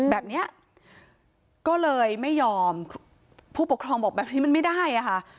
แบบนี้ก็เลยไม่ยอมผู้ปกครองบอกแบบนี้มันไม่ได้อะค่ะ